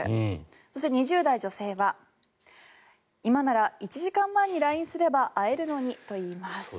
そして２０代女性は今なら１時間前にＬＩＮＥすれば会えるのにと言います。